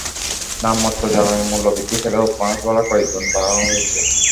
নামমাত্র জ্বালানির মূল্য বৃদ্ধি পেলেও বাস ভাড়া কয়েক গুণ বাড়ানো হয়েছে।